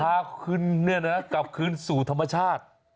พาคุณเนี่ยนะกลับคืนสู่ธรรมชาติ